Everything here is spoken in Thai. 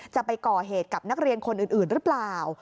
จะไปก่อเหตุกับนักเรียนคนอื่นหรือเปล่า